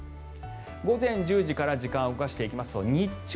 午前１０時から時間を動かしていきますと日中、